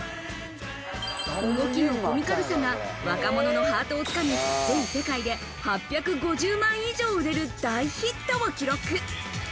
動きのコミカルさが若者のハートを掴み、全世界で８５０万以上売れる大ヒットを記録。